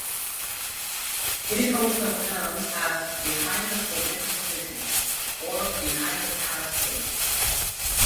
It is also known as "Behind the Forbidden City" or "Behind the Palace Gates".